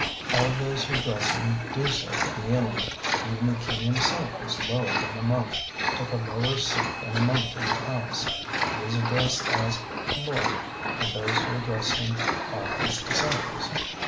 All those who address him do so kneeling. Even the king himself was lower than a monk, took a lower seat than a monk in the palace. He is addressed as 'Lord,' and those who address him are his disciples.